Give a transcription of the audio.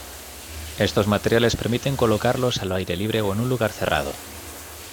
Estos materiales permiten colocarlos al aire libre o en un lugar cerrado.